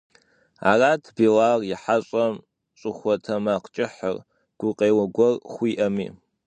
Арат Билал и хьэщӀэм щӀыхуэтэмакъкӀыхьыр, гукъеуэ гуэр хуиӀэми.